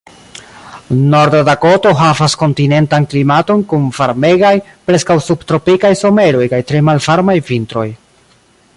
Norda Dakoto havas kontinentan klimaton kun varmegaj, preskaŭ subtropikaj someroj kaj tre malvarmaj vintroj.